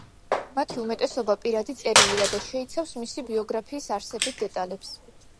მათი უმეტესობა პირადი წერილია და შეიცავს მისი ბიოგრაფიის არსებით დეტალებს.